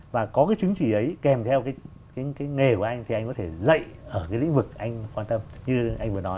và có cái chứng chỉ ấy kèm theo cái nghề của anh thì anh có thể dạy ở cái lĩnh vực anh quan tâm như anh vừa nói